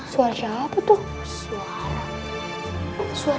suara siapa tuh suara